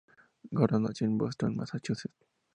Gordon nació en Boston, Massachusetts.